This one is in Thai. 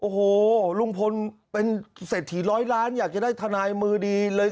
โอ้โหลุงพลเป็นเศรษฐีร้อยล้านอยากจะได้ทนายมือดีเลย